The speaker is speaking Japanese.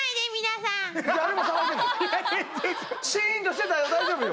シーンとしてたよ大丈夫よ。